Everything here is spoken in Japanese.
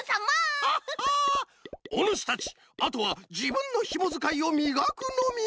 おぬしたちあとはじぶんのひもづかいをみがくのみ！